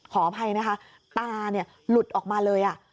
ขออภัยนะคะตาเนี่ยหลุดออกมาเลยอ่ะ